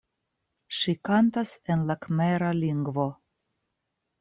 Ŝi kantas en la kmera lingvo.